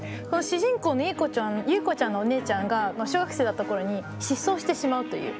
主人公の結衣子ちゃんのお姉ちゃんが小学生だった頃に失踪してしまうという。